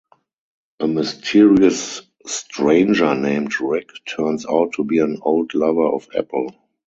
A mysterious stranger named Rick turns out to be an old lover of Apple.